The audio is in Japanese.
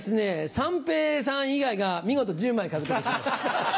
三平さん以外が見事１０枚獲得しました。